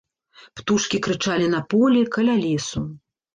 Птушкі крычалі на полі, каля лесу.